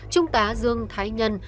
chúng ta dương thái nhân